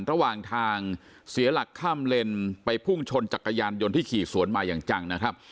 ระหว่างทางเสียหลักข้ามเลนไปพุ่งชนจักรยานยนต์ที่ขี่สวนมาอย่างจังนะครับ